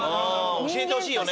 教えてほしいよね。